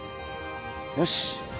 よし！